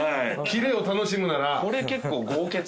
きれを楽しむなら。